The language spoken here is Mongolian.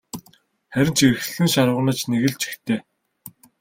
Харин ч эрхлэн шарваганаж нэг л жигтэй.